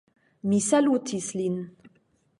Mi salutis lin.